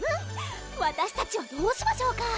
わたしたちはどうしましょうか？